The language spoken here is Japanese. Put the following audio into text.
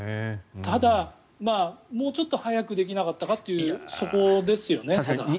ただ、もうちょっと早くできなかったというそこですよね。